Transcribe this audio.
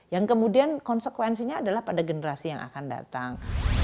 yang kemudian konsekuensinya adalah pada generasi yang akan datang